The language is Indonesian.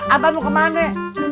abang mau kemana